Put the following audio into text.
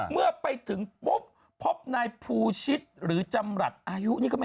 เมื่อไปถึงปุ๊บพบนายภูชิตหรือจำหลัดอายุนี่ก็ไม่